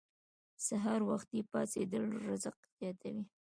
سحر وختي پاڅیدل رزق زیاتوي.